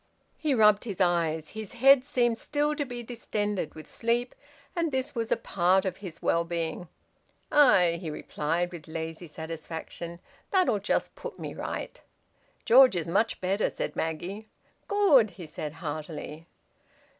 He rubbed his eyes. His head seemed still to be distended with sleep, and this was a part of his well being. "Aye!" he replied, with lazy satisfaction. "That'll just put me right." "George is much better," said Maggie. "Good!" he said heartily.